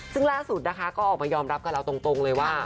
ซึ่งล่าสุดนะคะก็ออกมายอมรับกับเราตรงเลยว่า